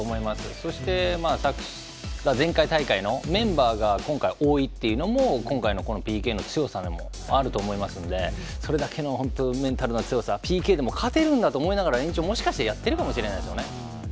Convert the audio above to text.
そして前回大会のメンバーが今回、多いというのも今回のＰＫの強さもあると思いますのでそれだけの本当メンタルの強さＰＫでも勝てるんだと思いながらＰＫもしかしたらやってるかもしれないですよね。